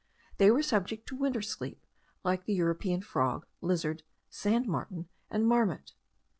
They were subject to a winter sleep, like the European frog, lizard, sand martin, and marmot.